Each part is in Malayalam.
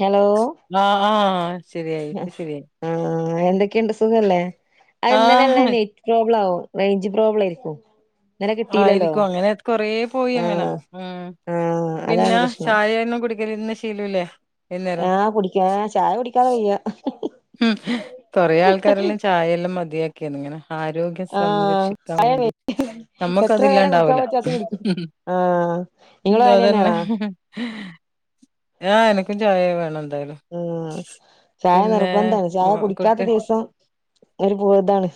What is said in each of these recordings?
ഹലോ ആഹ് ആഹ് ശരിയയി പ്പൊ ശരിയായി ആഹ് എന്തൊക്കെണ്ട് സുഖല്ലേ അഹ് ആഹ് ഇന്നലെയള്ള പ്രോബ്ലം ആവും റേഞ്ച് പ്രോബ്ലംയിരിക്കും. ആയിരിക്കും അങ്ങനെ കൊറേ പോയി അങ്ങനെ ആഹ് ഉം ആഹ് അതാണ് പിന്നെ പ്രശ്നം ചായയൊന്നും കുടിക്കരുന്ന് ശീലോല്ലേ ആഹ് കുടിക്കാ ചായ കുടിക്കാതെ വെയ്യ ഉം കൊറെ ആൾക്കാരെല്ലാം ചായെല്ലാം മതിയാക്കിന് ഇങ്ങനെ ആരോഗ്യ ആഹ് സംരക്ഷിക്കാൻ വേണ്ടിട്ട് നമ്മക്ക് എത്ര നേരം കുടിക്കാൻ അതില്ലാണ്ടാവുല്ല. പറ്റും അത് കുടിക്കും ആഹ് നിങ്ങളും ണ്ടോ അങ്ങനെ അതന്നെ തന്നെയാണോ ഹം ആഹ് ഹാ എനിക്കും ചായ വേണം എന്തായാലും. ആഹ് ചായ പിന്നെ നിർബന്ധാണ് ചായ മോ കുടിക്കാത്ത കുട്ടി ദിവസം ഒരു പോലെ ഇതാണ്.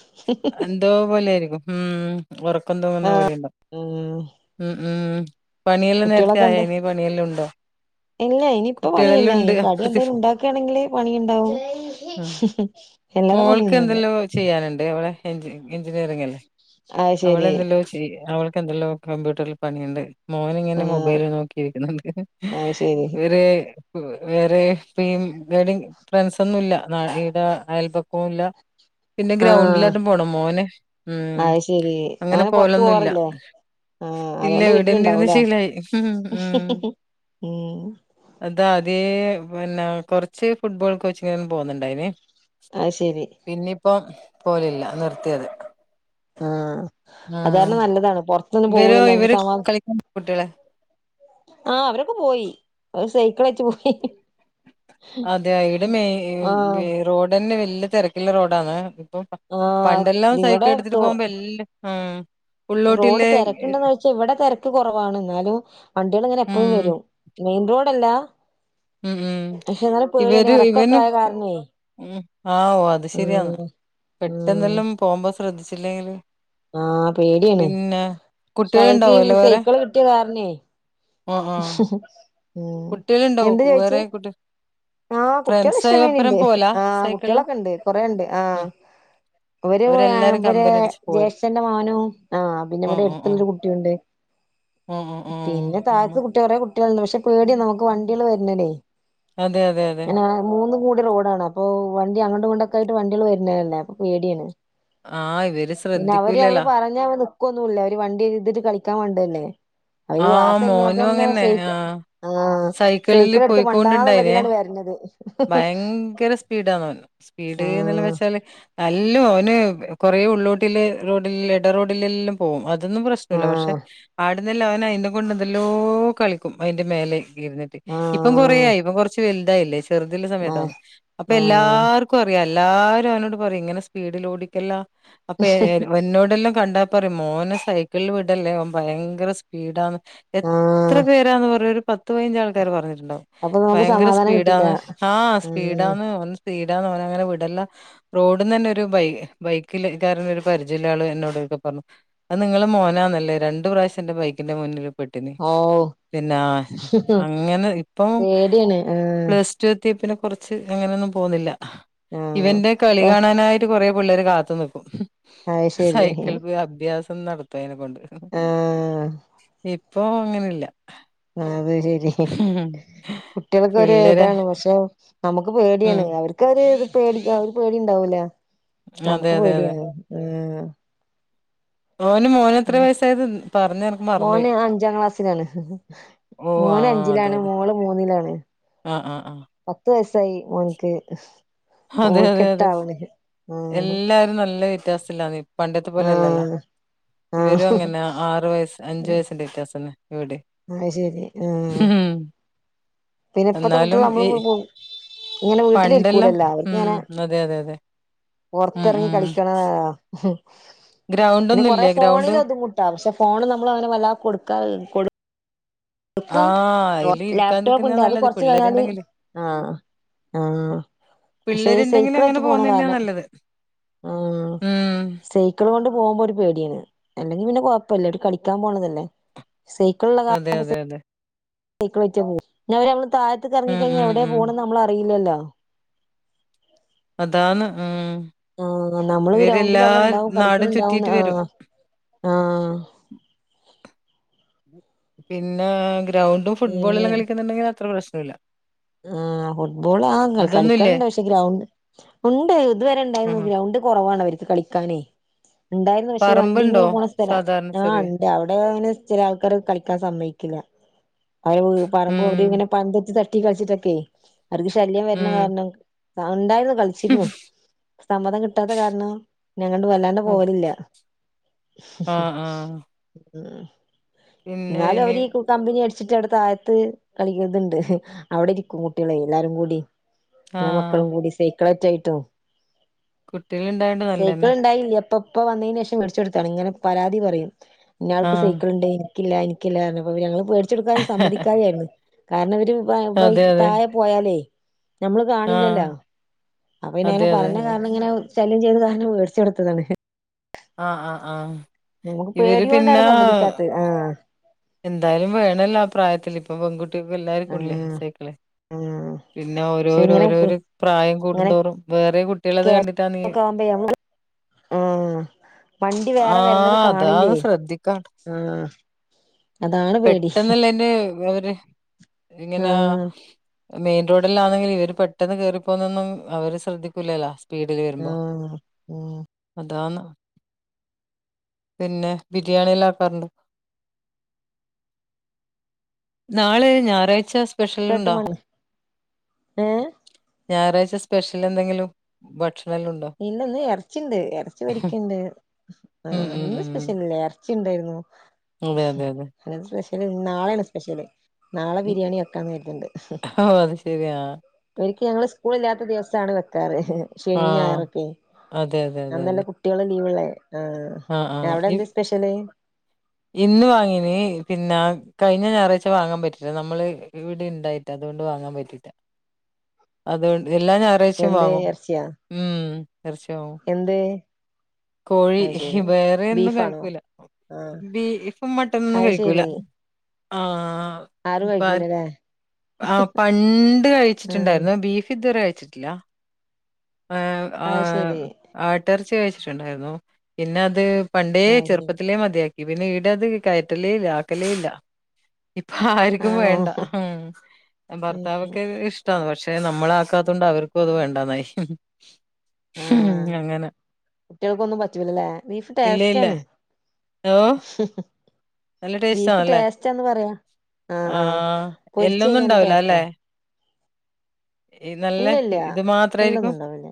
എന്തോ പോലെയിരിക്കും ഉം. ഉറക്കം തൂങ്ങുന്ന പോലെ ഉംഉം ഉം പണിയെല്ലാം നേരത്തെ കുട്ടികളൊക്കെ ആയോ എന്താ ഇനി പണിയെല്ലാം ഉണ്ടോ? ഇല്ല ഇനിയിപ്പ പണിയില്ല കുട്ടികളെല്ലാം ഈ ഉണ്ട് കടി അപ്പുറത്ത് എന്തേലും ഉണ്ടാക്കുകയാണെല് പണിഉണ്ടാവും. ഉം ഹും ഹും മോൾക്ക് എന്തല്ലോ ചെയ്യാനുണ്ട് അവളെ എഞ്ചിനീയറിംഗിൽ അത് അവള ശരി എന്തല്ലോ. അവൾക്ക് എന്തെല്ലോ കമ്പ്യൂട്ടറിൽ പണിയുണ്ട്. മോൻ ഇങ്ങനെ ആഹ് മൊബൈല് നോക്കിയിരിക്കുന്നുണ്ട് അത് ശരി ഇവര്- വേറെ ഫി ഇഡിങ് ഫ്രണ്ട്സ് ഒന്നൂല്ല ഈടെ. അയൽപക്കവവും ഇല്ല? പിന്നെ ആഹ് ഗ്രൗണ്ടിലെല്ലം പോണം മോന് ഉം അത് ശെരി അങ്ങനെ പൊറത്ത് പോലൊന്നുമല്ല. പോവാറില്ലേ ആഹ് ഇല്ല അതുകൊണ്ട് ഇവിടന്നെ ഇരുന്ന് വീട്ടിലുണ്ടാവൂലേ ശീലായി ഉ ഉ. ഉം അത് ആദ്യ പിന്നെ കുറച്ച് ഫുട്ബോൾ കോച്ചിങ്ങും പോകുന്നുണ്ടായിന്. ആത്. ശരി പിന്നയിപ്പം പോവലില്ല നിർത്തിയത്. ആ അത് കാരണം നല്ലതാണ് പൊറ- ഇവരെ ഇവര് കളിക്കാൻ കൂട്ടില്ല. ആഹ അവരൊക്കെ പോയി അവര് സൈക്കിൾ എയിററ് പോയി. അതെ ഇവിടെ ആഹ് മെയി റോഡ് തന്നെ വലിയ തിരക്കുള്ള റോഡാണ്. അപ്പം ആഹ് പണ്ടെല്ലാം സൈക്കിൾ ഇവിടെ എടുത്തിട്ട് റോ പോകുമ്പോ എല്ലാം ഉം. റോഡ് ഉള്ളോട്ടില്ലേ തിരക്കുണ്ടന്ന് ചോയ്ച്ചാ ഇവിടെ തിരക്ക് കുറവാണ് എന്നാലും വണ്ടികളിങ്ങനെ ഉം എപ്പഴും വരും. മെയിൻ റോഡ് അല്ല. ഉം ഉം ഇവര് എറക്കൊക്കെ ആയ ഇവന്പോ. കാരണേ ഉം ആവ് അത് ശരിയാണ് ഉം ഉം പെട്ടെന്നെല്ലാം പോകുമ്പോ ശ്രദ്ധിച്ചില്ലെങ്കില്- ആ പേടിയാണ് പിന്നെ പക്ഷെ അവർക്കി കുട്ടികളുണ്ടാവുംല്ലേ വേറെ സൈക്കിള് കിട്ടിയ കാരണേ. ആഹ് ഉ ആഹ് ഹു ഹു കുട്ടികളുണ്ടാവും എന്തേ ചോയിച്ച്? വേറെ കുട്ടി ആഹ് കുട്ടികൾ ഇഷ്ടം ഫ്രണ്ട്സായോപ്പരം മേനിണ്ട് പോവലാ ആ സൈക്കിളില് കുട്ടികളൊക്കെ ഉണ്ട് കൊറെണ്ട് ആഹ്. അവര് അവരെല്ലാരും ഇവരെ കമ്പനി അടിച്ച് പോയി ജേഷ്ടന്റെ മോനും ആ പിന്നെ ഓഹ് ഇവിടെ ഓഹ് ഓഹ് എരുത്തുള്ളൊരു കുട്ടിയുണ്ട്. ഓഹ് ഓഹ് പിന്നെ ഓഹ് താഴത്ത് നമ്മ കുട്ടിക കുറേ കുട്ടികളണ്ട് പക്ഷെ പേടിയ നമുക്ക് വണ്ടികള് വരുന്നത്. അതെ അതെ അതെ. മൂന്നും കൂടി റോഡാണ് അപ്പൊ വണ്ടി അങ്ങോട്ടും ഇങ്ങോട്ടൊക്കെയിട്ട് വണ്ടികൾ വരുന്നതല്ലേ അപ്പ പേടിയാണ്. ആഹ് ഇവര് പിന്നെ അവര് നമ്മള് ശ്രദ്ധിക്കൂലല്ലോ പറഞ്ഞാ ഇവിടെ നി. ക്കൊന്നും ഇല്ല അവര് വണ്ടി എടുത്തിട്ട് കളിക്കാൻ മണ്ടല്ലേ. അയ്യ് ആഹ് ക്ലാസ് മോനും കയിഞ്ഞാത്തന്നെ അങ്ങന്നെ സൈക്കിള് ആഹ് ആ സൈക്കിളില് സേക്കിളെടുത്ത് മണ്ടാന്നുള്ള- പോയിക്കോണ്ടുണ്ടായിനേ വരനത് ഭയങ്കര സ്പീഡാന്ന് അവൻ സ്പീഡ്ന്ന് ആഹ് വെച്ചാൽ. അല്ല അവന് കൊറേ ഉള്ളോട്ടില് റോഡിൽ ഇട റോഡിലെല്ലാം- പോവും അതൊന്നും പ്രശ്ന ഇല്ല പക്ഷെ ആഹ് ആടന്നെല്ലാം അവന അയിന്റെ കൊണ്ട് എന്തെല്ലോ കളിക്കും അതിന്റെ മേലെ- ഇരുനിട്ട് ഇപ്പം ആഹ് കൊറയായി ഇപ്പ കൊറച്ച് വലുതായില്ലേ ചെറുതുള്ള ആഹ് സമയത്താണ് അപ്പൊ ആഹ് എല്ലാർ- റയാം എല്ലാരും അവനോട് പറിം ഇങ്ങനെ സ്പീഡിൽ ഓടിക്കല്ല അപ്പെ എന്നോടെല്ലാം കണ്ട. പറയും മോന സൈക്കിളിൽ വിടല്ലേ ഭയങ്കര സ്പീഡാന്ന് എത്ര- എത്ര ആഹ് പേരാന്ന് പറഞ്ഞ ഒരു പത്ത് പതിനഞ്ച് ആൾക്കാര് പറഞ്ഞിട്ടുണ്ടാവും അപ്പൊ നമുക്ക് ഭയങ്കര സമാധാനം കിട്ടില്ല സ്പീഡാന്ന്. ആഹ് ഉം സ്പീഡാന്ന് അവന് സ്പീഡാന്ന് അവന അങ്ങനെ വിടല്ല. റോഡിൽന്ന് തന്നെ ഒരു ബൈ ബൈക്ക കാരന ഒരു പരിചയമ ആള് എന്നോടൊക്കെ പറഞ്ഞു. അത് നിങ്ങളെ മോനാണല്ലേ രണ്ട് പ്രാവശ്യം എന്റെ ബൈക്കിന്റെ മുന്നിൽ- പെട്ടന് ഓ പിന്ന അങ്ങനെ ഇപ്പം പേടിയാണ് ആഹ് പ്ലസ്- റ്റുത്തിയപ്പിനെ കുറച്ച് അങ്ങനെയൊന്നും പോവുന്നില്ല ആഹ് ഇവന്റെ കളി കാണാനായിട്ട്. കൊറെ പിള്ളേര് കാത്തു നിക്കും അത് ശരി സൈക്കിൾ അഭ്യാസം നടത്തതിനെ കൊണ്ട് ഹ് ഇപ്പൊ അങ്ങനെല്ല അത് ശരി കുട്ടികൾക്ക ഒരു പിള്ളേരെ ഇതാണ് പക്ഷെ നമുക്ക് ഉം പേടിയാണ് അവര്ക്ക് അവര് പേടിക പേടി ഉണ്ടാവൂല അതെ നമുക്ക് അതെ അതെ പേടിയാണ് ആഹ ഓന് മോന് എത്ര വയസ്സായത് പറഞ്ഞ് എനക്ക് മറന്നോയി മോന് അഞ്ചാം ക്ലാസ്സിലാണ് ഓ മോന് അഞ്ചിലാണ് മോള് മൂന്നിലാണ് ആഹ ആഹ ആഹ പത്ത് വയസായി മോൻക്ക് അതെ മോൾക്ക് അതെ അതെ എട്ടാവണ് ആഹ് എല്ലാരും നല്ല വ്യത്യാസില്ലാന്ന് പണ്ടത്തെ പോലെല്ലല്ലോ ആഹ് ഇവരും ആഹ് അങ്ങനെ ആറു വയസ്സ് അഞ്ചു വയസ്സിന്റെ വിത്യാസന്നെ ഇവിടെ ആ ശരി ആഹ പിന്നെ ഇപ്പത്തെ കുട്ടികൾ എന്നാലും ഈ നമ്മൾള് ഇങ്ങനെ വീട്ടിലിരിക്കൂല പണ്ടെല്ലാം എല്ലാരു ഉം ഇങ്ങനെ അതെ അതെ അതെ ഉം പുറത്തിറങ്ങി ഉം കളിക്കണ ഗ്രൗണ്ട് പിന്ന ഒന്നും കൊറെേ ഇല്ലേ ഗ്രൗണ്ട് ഫോണിൽ ഒതുങ്ങൂട്ട പക്ഷെ ഫോണ് നമ്മൾ അങ്ങനെ വല്ലാതെ കൊടുക്കാറില്ല കൊ ആ ടുക്കും അയില് ഇരിക്കാൻ ലാപ്ടോപ്പ് നിൽക്കുന്ന ഉണ്ട് അത് നല്ലത് കൊറച്ച് കഴിഞ്ഞാല് പിള്ളേരുണ്ടെങ്കില് ആഹ ആഹ പക്ഷെ പിള്ളേരുണ്ടെങ്കിൽ സൈക്കിൾ അങ്ങനെ വെച്ച് പോണ പോകുന്ന തന്നെയാ കാരണം നല്ലത് ആ ഉം സൈ ക്കളോണ്ട് പോമ്പോ ഒരു പേടിയാണ് അല്ലെങ്കിൽ പിന്നെ കുഴപ്പല്ലര് ഓര് കളിക്കാൻ പോണതല്ലേ സൈക്കിൾ അതെ അതെ അതെ ളേറ്റ് പോവു പിന്നെ അവരമ്മള് താഴത്ത്ക്ക് ഉം എറങ്ങിഴിഞ്ഞാ ഉം എവിടെ ഉം പോണത് നമ്മള അറിയുല്ലല്ലാ അതാന്ന് ഉം ആഹ നമ്മള് ഗ്രൗണ്ടിൽ ഇവരെല്ലാ അവിടെ ഉണ്ടാവും നാടും കളിക്ക്ണണ്ടാവുംന്ന് ചുറ്റിയിട്ട് വരും ആ ആഹ പിന്നെ ഗ്രൗണ്ടും പിന്നെ ഫുട്ബോളല്ലാം കളിക്കുന്നുണ്ടെങ്കിൽ അത്ര പ്രശ്ണോല്ല ആഹ ഫുട്ബോൾ ആ അതൊന്നുംല്ലേ കളിക്കലണ്ട് പക്ഷെ ഗ്രൗണ്ട് ഉണ്ട് ഇതുവരെ ഇണ്ടായിരുന്നു ഉം ഗ്രൗണ്ട് കുറവാണ് അവർക്ക് കളിക്കാനേ ഉണ്ടായിരുന്ന് പക്ഷെ ഈ വണ്ടി പറമ്പുണ്ടോ ഇങ്ങനെ പോണ സ്ഥലം സാധാരണ ആ ചെറിയ അ അവിടെ അങ്ങനെ ചില ആൾക്കാര് കളിക്കാൻ സമ്മയ്ക്കില്ല അവര് പറമ്പ് അവര് ഉം ഇങ്ങനെ പന്തളത്ത് ത തട്ടി കളിച്ചിട്ടക്കെ അവർക്ക് ശല്യം വരണ ഉം കാരണം ഉണ്ടായിരുന്നു കളിച്ചിരുന്നു സമ്മതം കിട്ടാത്ത കാരണം അങ്ങണ്ട് വല്ലാണ്ട് പോലില്ല ആഹ് ആഹ് പിന്നെ ന്നാലും ഇനി അവരീ കമ്പനി അടിച്ചിട്ട് അവിട താഴത്ത് കളിക്കിതണ്ട് അവിടെ ഇരിക്കും കുട്ടികളെ എല്ലാരും കൂടി എന്നെ ആഹ് മക്കളും കൂടി സൈക്കളേറ്റ് ആയിട്ടും കുട്ടികൾ ഇണ്ടായോണ്ട് സൈക്കിൾ നല്ലന്നെ ഇണ്ടായില്ല ഇപ്പ ഇപ്പ വന്നേന് ശേഷം വേട്ച്ചൊട്ത്തേണ് ഇങ്ങനെ പരാതി പറയും ഇന്നാൾക്ക് ആഹ് സൈക്കിൾ ഇണ്ട് ക്കില്ല എനിക്കല്ല പറഞ്ഞപ്പോ ഞങ്ങള് വേടിച്ചെടുക്കാനും സമ്മതിക്കാതായിര്ന്നു കാരണം ഇവര് അതെ അതെ തായെ പോയാലേ ഞമ്മള് കാണില്ലല്ല ആഹ് അപ്പൊ ഇനി അങ്ങനെ അതെ അതെ പറഞ്ഞ അതെ കാരണം ഇങ്ങനെ ശല്യം ചെയ്ത കാരണം വേടിച്ചോട്ത്തതാണ് ആഹ് ആഹ് ആഹ് നമുക്ക് ഇവര് പേടികൊണ്ടാണ് പിന്നെ സമ്മതിക്കാത്തത് ആഹ് എന്തായാലും വേണല്ലോ ആ പ്രായത്തിൽ ഇപ്പ പെൺകുട്ട- ൾക്കും എല്ലാർക്കുംല്ലേ ആഹ് സൈക്കിള് ആഹ് പിന്നെ പക്ഷെ ഇങ്ങനെ ഓരോരോഓരോ പ്രായം കൂടുന്തോറും വേറെ കുട്ട കേക്കെ ആവുമ്പെ മമക്ക് [unintelligible] ആ വണ്ടി വേറെ വരണത് ആഹ് അതാണ് കാണില്ലേ ശ്രദ്ധിക്കാ ആ പെട്ടെന്നല്ല എന്റെ അവര് ഇങ്ങനെ ആഹ് മെയിൻ റോഡിലാന്നെങ്കിൽ ഇവര് പെട്ടെന്ന് കേയറിപ്പോന്നൊന്നും അവര് ശ്രദ്ധിക്കൂലല്ല സ്പീഡില് വരുമ്പോ ആഹ് ഉം അതാന്ന പിന്നെ ബിരിയാണിയെല്ലാം ആക്കാറുണ്ടോ? നാളെ ഞായറാഴ്ച്ച സ്പെഷ്യൽ കേട്ട് ഇണ്ടോ? മണ് ഏഹ് ഞായറാഴ്ച സ്പെഷ്യൽ എന്തെങ്കിലും ഭക്ഷണല്ല് ഉണ്ടോ? ഇല്ലന്ന് അർച്ചിണ്ട് അർച്ചി വേടിക്ക്ണ്ട് ആ ഉം ഉം ഇന്ന് ഉം ഉം സ്പെഷ്യൽ ഇല്ല അർ ച്ചി ണ്ടായിർന്നു അതെ അതെ അതെ സ്പെഷ്യല് നാളേണ് സ്പെഷ്യല് നാളെ ഉം ബിരിയാണി വെക്കാന്ന് കെർത്ണ്ട് ഓ അത് ശരിയാ ഒരിക്കെ ഞങ്ങള് സ്കൂള് ഇല്ലാത്ത ദിവസാണ് വെക്കാറ് ആ ശനി ആ. ഞായറൊക്കെ അതെ അതെ അതെ അന്നല്ലേ അതെ കു കുട്ടിയാള് ലീവള്ളേ ആ ആ അവിടെ ഇ എന്താ സ്പെഷ്യല് ഇന്ന് വാങ്ങീണേപിന്നെ കഴിഞ്ഞ ഞാറാഴ്ച്ച വാങ്ങാൻ പറ്റില്ല നമ്മള് ഇവിടെ ഇണ്ടായിട്ട് അതുകൊണ്ട് വാങ്ങാൻ പറ്റില്ല അത് കൊണ്ട് എല്ലാ ഞാ റായ്ച്ചിം എന്ത് വാങ്ങും ഇറച്ചിയാ ഉം [unintelligible] എന്ത് കോഴി അത് ശരി വേറെന്നും ബീഫാണോ കഴിക്കൂല. ആഹ് ബീഫും മട്ടനൊന്നും അത് കഴിക്കൂല ശരി ആരും ആഹ് പ കഴിക്കില്ലല്ലേ ആഹ് പണ്ട് ആഹ് കഴിച്ചിട്ടുണ്ടായിർന്നു ബീഫ് ഇതുവരെ കഴിച്ചിട്ടില്ല. ഏഹ് അത് ആഹ് ശരി ആട്ടർച്ചി കഴിച്ചിട്ടുണ്ടായിരുന്നു പിന്നെ അത് പണ്ടേ അത് ശരി ചെർപ്പത്തിലേ മതിയാക്കി പിന്നെ ഈട അത് കയറ്റലേ ഇല്ല ആക്കലേ ഇല്ല. ഇപ്പ ആർക്കും ആണോ വേണ്ട ഉം ഭർത്താവൊക്കെ ഇഷ് ടാണ്. പക്ഷെ നമ്മള് ആക്കാത്തോണ്ട് അവർക്കും അത് വേണ്ടന്നായി. ആഹ് കുട്ടിയാൾക്കൊന്നും പറ്റുല്ലല്ലേ ബീഫ് ടേസ്റ്റ് ആണ്. വാ ഹും ബീഫ് ടേസ്റ്റാന്ന് പറയാ ആഹ് ആഹ് പൊർച്ച് എല്ലൊന്നും കഴിഞ്ഞാലൂം ഉണ്ടാവില്ല അല്ലെ ടേസ്റ്റാ ഈ നല്ല ഇല്ല ഇല്ല ഇത് എന്നെന്നും മാത്രായിരിക്കും ഇണ്ടാവില്ല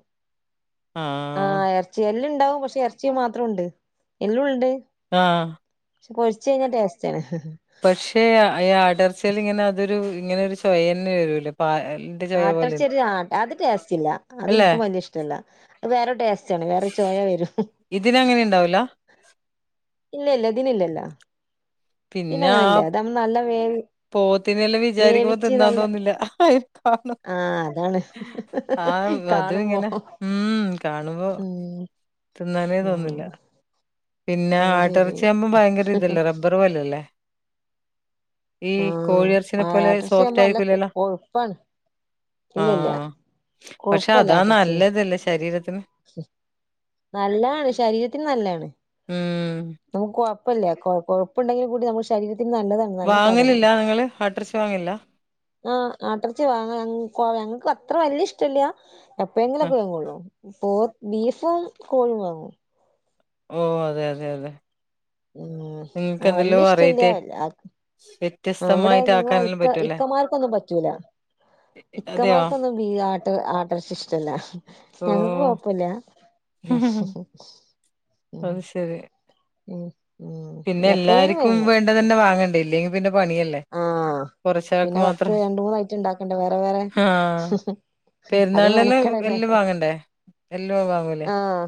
ആഹ് എ എല്ലം ഇണ്ടാവും പക്ഷേ എർച്ചി മാത്രം ഉണ്ട് എല്ലും ഉണ്ട് ആഹ് പൊർച്ച് കഴിഞ്ഞാ ടേസ്റ്റ് ആണ്. പക്ഷെ അ ഏ ആട്ടർച്ചീല് ങ്ങനെ അതെരു ഇങ്ങനെ ഒരു ചൊയ തന്നെ വരൂലേ പാ ൽ ആട്ടർച്ചി ഒർ ആഹ് അത് ടേസ്റ്റ് ഇല്ല അത് അല്ലെ ഇൻക്കും വല്ല്യ ഇഷ് ടല്ല. വേറെ ടേസ്റ്റ് ആണ് വേറെ ചൊയ വെരും. ഇതിന് അങ്ങനെ ഉണ്ടാവൂല ഇല്ല ല്ല ഇതിന്ല്ലല്ല ഇതിനങ്ങനെല്ല ഇതാകുമ്പ നല്ല വേവ് പോത്തിനെ എല്ലാം വിചാരിക്കുമ്പോ തിന്നാൻ തോന്നില്ല ആഹ് അതാണ് ആഹ് അത് കാണുമ്പോ ഇങ്ങനെ ഉം കാണുമ്പോ ഉം തിന്നാനേ തോന്നില്ല ആഹ് പിന്നെ അത് ശരി ആട്ടർച്ചിയാകുമ്പോ ഭയങ്കര ഇതല്ലേ റബ്ബർ പോലല്ലേ ഈ ആഹ് കോഴിയെർച്ചിനെ പോലെ സോഫ്റ്റ് ആട്ടർച്ചയാവുമ്പോ നല്ല ആയിരിക്കൂലല്ലോ കൊഴുപ്പാണ് ഇല്ലല്ല ആഹ് പക്ഷെ കൊഴുപ്പല്ല അതാ ആട്ടർച്ചി നല്ലതല്ലേ ശരീരത്തിന് നല്ലാണ് ശരീരത്തിന് നല്ലാണ്. ഉം കോ കൊഴ്പ്പല്ല കൊ കൊവ്പ്പുണ്ടെങ്കിലു കൂടി നമ്മൾ ശരീരത്തിന് നല്ലതാണ് നല്ല സാധനാണ് വാങ്ങലില്ല നിങ്ങള് ആട്ടർച്ചി വാങ്ങില്ല ആഹ് ആട്ടർച്ചി വാങ്ങ ഞങ്ങക്കോ ഞങ്ങക്ക് അത്ര വല്യ ഇഷ്ടല്ല എപ്പോഴെങ്കിലും ആ ഒക്കെ വാങ്ങുളളൂ പോ ബീഫും കോഴിയും വാങ്ങും. ഓ അതെ അതെ അതെ ഉം വല്ല്യ ഇഷ്ടല്യാ ശ് ആഹ് വടെ നിങ്ങളെ ഇക്ക ഇക്കമാർക്കൊന്നും പറ്റൂല അതെയോ ഇക്കമാർക്കൊന്നും ബീ ആട്ട് ആട്ടർച്ചി ഇഷ്ടല്ല ഓ ഞങ്ങക്ക് കൊഴ്പ്പല്ല അത് ശരി ഉം ഉം എപ്പഴേലും വേങ്ങും [unintelligible] ലെങ്കിൽ പിന്നെ പണിയല്ലേ ആഹ് കൊറച്ചാൾക്ക് പിന്നെ പത്ത് മാത്രം രണ്ട് മൂന്ന് ഐറ്റം ഉണ്ടാക്കണ്ടേ വേറെ വേറെ ആഹ് അത് പെരുന്നാളിനെല്ലാം മെനക്കടല്ലേ എല്ലും വാങ്ങണ്ടേ എല്ലോ വാങ്ങുലെ ആഹ്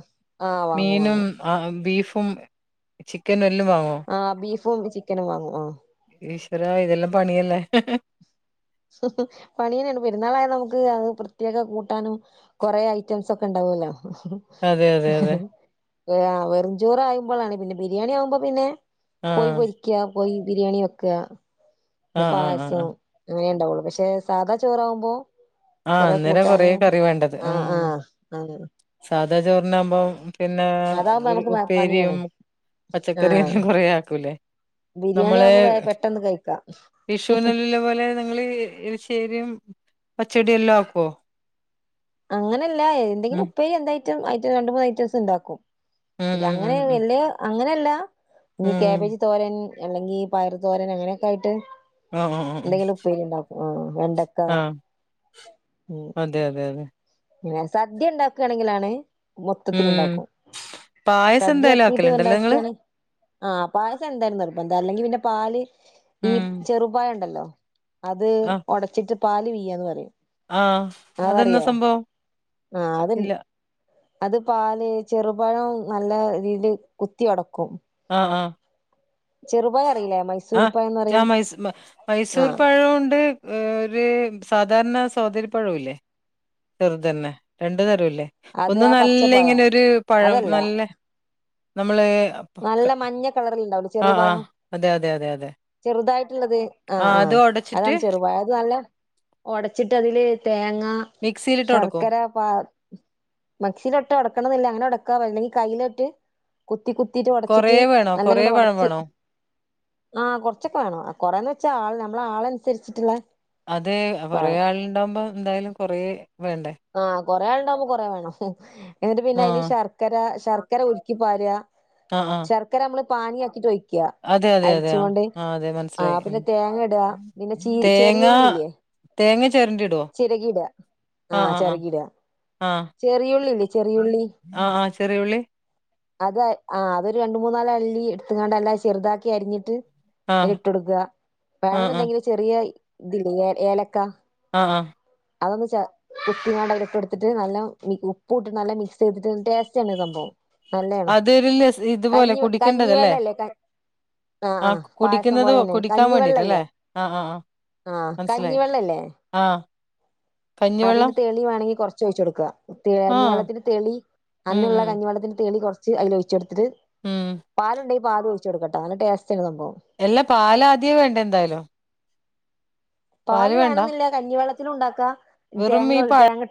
ആഹ് വാങ്ങും മീനും വാങ്ങും ആ ബീഫും ക്കനും എല്ലോ വങ്ങോ ആഹ് ബീഫും ചിക്കനും വാങ്ങും ആഹ് ഈശ്വര ഇതെല്ലാം പണിയല്ലേ? പണി തന്നെയാണ് പെരുന്നാളായ നമുക്ക് അത് പ്രത്യേക കൂട്ടാനും കൊറെ ഐറ്റംസ് ഒക്കെ ഉണ്ടാവല്ലോ അതെ അതെ അതെ വെറുംചോറ് ആവുപ്പളാണ് ബിരിയാണി ആവുമ്പോ പിന്നെ കോയി ആഹ് പൊരിക്കാ കോയി ബിരിയാണി വെക്കാ ആഹ് ആഹ് പായസം ആഹ് അങ്ങനെ ഉണ്ടാവുള്ളു പക്ഷെ സാധാ ചോറാവുമ്പോ ആഹ് കൊറെ അന്നേരം കൊറേ കൂട്ടാനും കറി വേണ്ടത് ഉം ആഹ് ആഹ് ആഹ് സാധാ ചോറിനാവുമ്പോ പിന്നെ അതാവുമ്പോ ഒരു നമുക്ക് ഉപ്പേരിയും പണിയാണ് ആഹ് പച്ചക്കറിയെല്ലം കൊറെക്കുലെ ബിരിയാണി നമ്മള് ആവുമ്പോ വേ പെട്ടെന്ന് കഴിക്കാം വിഷു നല്ല പോലെ ഇങ്ങള് പ്പേരി പച്ചടി എല്ലാം ആക്കോ. അങ്ങനെയല്ല ഉം എന്തെങ്കിലും ഉപ്പേരി എന്തായിറ്റം ഐറ്റം രണ്ട് മൂന്ന് ഐറ്റംസ് ഉണ്ടാക്കും. ഉം ഉം അങ്ങനെ ഉം ഉം വല്ല്യ അങ്ങനെയല്ല ഇനി ഉം കേബജ് തോരൻ അല്ലെങ്കി പയറു തോരൻ അങ്ങനൊക്ക ആയിട്ട് ആ ആ ആ എന്തെങ്കിലും ഉപ്പേരി ഉണ്ടാക്കും ആഹ് വെണ്ടക്ക ആ ആ ഉ അതെ അതെ അതെ. പിന്നെ സദ്യ ഉണ്ടാക്കുകയാണെങ്കിലാണ് മൊത്തത്തി ഉം ഉണ്ടാക്കും. പായസം സദ്യ എന്തായാലും ആക്കിട്ട് ആക്കലുണ്ടല്ലേ നിങ്ങള് വേണ്ടക്കെയാണ് ആഹ് പായസം എന്തായാലും നിർബന്ധ. അല്ലെങ്കി പിന്നെ പാല് ഈ ഉം ചെറുപയം ഉണ്ടല്ലോ അത് ഒടച്ചിട്ട് പാല് പീയാന്ന് പറയും ആഹ് അതന്ന അതറിയോ സംഭവം? ആഹ് അത് ഇല്ല അത് പാല് ചെറുപഴം നല്ല രീതിൽ കുത്തി ഒടക്കും ആഹ് ആഹ് ചെറുപയം അറിയില്ലേ ആഹ് മൈസൂരിപ്പഴംന്ന് ഞാ പറയും മൈസ മൈസൂർ ആഹ് പഴോണ്ട് ഒരു സാധാരണ സോതാരി പഴവുല്ലേ ചെറുതന്നെ രണ്ടു തരല്ലേ അത് ഒന്ന് ആ നല്ല പച്ചപ്പഴം ഇങ്ങനെ ഒരു പഴം അതല്ല നല്ല നമ്മള നല്ല മഞ്ഞ കളറൽണ്ടാവുലെ ആഹ് ആഹ് അതെ അതെ അതെ അതെ. ചെറുതായിട്ടുള്ളത് ആഹ് അത് ആഹ് ഒടച്ചിട്ട് അതാണ് ചെറുപഴം അത് നല്ല ഒടച്ചിട്ട് അതില് തേങ്ങ മിക്സിയിലിട്ട് ഒടക്കും ശർക്കര മക്ഷലിട്ട് ഒടക്കണന്നില്ല അങ്ങനെ ഒടക്കാ അല്ലെങ്കിൽ കയിലേറ്റ് കുത്തി കു ത്തിട്ടു കൊറേ ഉടച്ചിട്ട് വേണോ കൊറേ നല്ലങ്ങാട്ട് പഴം ഒടച്ച് വേണോ ആഹ് കൊറച്ചൊക്കെ വേണം കൊറെന്ന് വെച്ചാ ആൾ നമ്മള ആളനുസരിച്ചിട്ടുള്ള അത് കൊറെേ പഴം ആളുണ്ടാവുമ്പോ എന്തായാലും കൊറ വേണ്ടേ ആഹ് കൊറെ ആൾണ്ടാവുമ്പോ കൊറെേ വേണം എന്നിട്ട് പിന്നെ അതില് ആഹ് ശർക്കര ശർക്കര ഉരുക്കിപ്പാര ആഹ് ആഹ് ശർക്കര നമ്മള് പാനിയക്കിട്ട് ഒഴി ക്കാ അതെ അതെ അതെ ആഹ് അരിച്ചുകൊണ്ട് ആഹ് അതെ ആ മനസ്സിലായി പിന്നെ ഉം തേങ്ങ ഇടാ പിന്നെ ചി തേങ്ങ ചെറിയ ഉള്ളില്ലേ തേങ്ങ ചേരണ്ടി ഇടോ ചിരകിടാ ആഹ് ചേരകിടാ ആഹ് ചെറിയുള്ളില്ലേ ചെറിയുള്ളി ആഹ് ആഹ് ചെറിയുള്ളി അത് ആ അതൊരു രണ്ടു മൂന്നലാല്ലി എടുത്താണ്ട് എല്ലാം ചെറുതാക്കി അരിഞ്ഞിട്ട് അയിൽ ആഹ് ഇട്ടൊടുക്ക ആഹ് ആഹ് വേണെന്നുണ്ടെങ്കില് ചെറിയ ഇതില്ലേ ഏ ഏലക്കാ ആഹ് ആഹ് അതൊന്ന് ച കുപ്പിങ്ങാണ്ട അതിലേക്ക് എടുത്തിട്ട് നല്ലോം ഉ ഉപ്പൂട്ട് നല്ല മിക്സ് ചെയ്തിട്ട് ടേസ്റ്റ് ആണ് സംഭവം നല്ലാണ് അതൊരു ലസ് ഇതുപോലെ കഞ്ഞിവെ കുടിക്കേണ്ടതല്ലേ കഞ്ഞിവെള്ളല്ലേ കഞ് ആഹ് ആ ആഹ് പായസം പോലെ തന്നെ കഞ്ഞിവെള്ളല്ലേ ആഹ് ആഹ് ആഹ് ആഹ് കഞ്ഞിവെള്ളല്ലേ ആഹ് അതിന്റെ തെളി വേണങ്കി കൊറച്ച് ഒഴിച്ചൊട്ക ആ തേഞ് വെള്ളത്തിന്റെ തെളി ഉം അന്നുള്ള ഉം കഞ്ഞിവെള്ളത്തിന്റെ തേളി കോർ ച്ച് അയിൽ ഒയിച്ചോട്ത്ട് ഉം പാലുണ്ടെങ്കിൽ പാലൊഴിച്ചോടുക്കട്ട നല്ല ടേസ്റ്റ് ആണ് സംബം എല്ലാ പാലാദ്യേ വേണ്ട എന്തായാലും പാല് വേണെന്നില്ല കഞ്ഞിവെള്ളത്തിലും ഇണ്ടാക്കാ വെറും ഈ തേങ്ങവെള് പഴ തേങ്ങട്ട